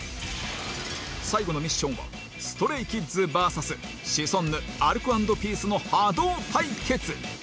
最後のミッションは ＳｔｒａｙＫｉｄｓＶＳ シソンヌアルコ＆ピースの ＨＡＤＯ 対決！